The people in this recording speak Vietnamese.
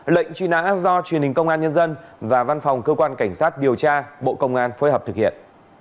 lệnh truy nã do truyền hình công an nhân dân và văn phòng cơ quan cảnh sát điều tra bộ công an phối hợp thực hiện